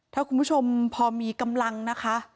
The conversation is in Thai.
ถ้าคุณผู้ชมพอมีกำลังนะคะ